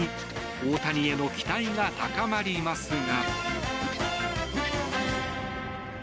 大谷への期待が高まりますが。